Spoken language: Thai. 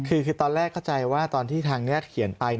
คือตอนแรกเข้าใจว่าตอนที่ทางนี้เขียนไป